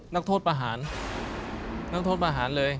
นักโทษประหารนักโทษประหารเลย